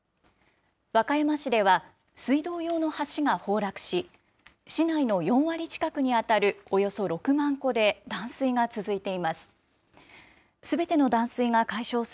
和歌山市では水道用の橋が崩落し、市内の４割近くに当たるおよそ６万戸で断水が続いています。